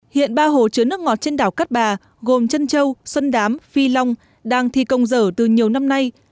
hiện ba hồ chứa nước ngọt trên đảo cát bà gồm trân châu xuân đám phi long đang thi công dở từ nhiều năm nay